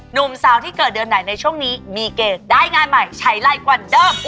หนุ่มสาวที่เกิดเดือนไหนในช่วงนี้มีเกณฑ์ได้งานใหม่ใช้ไรกว่าเดิม